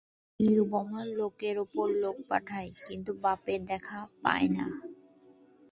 নিরুপমা লোকের উপর লোক পাঠায় কিন্তু বাপের দেখা পায় না।